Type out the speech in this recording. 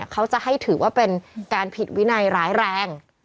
เขาจะให้ถือว่าเป็นการผิดวินัยร้ายแรง